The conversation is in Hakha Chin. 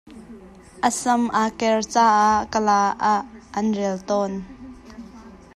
A sam a ker caah Kala ah an rel tawn.